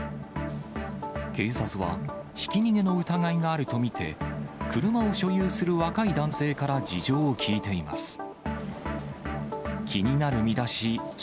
警察は、ひき逃げの疑いがあると見て、車を所有する若い男性から事情を聴いています。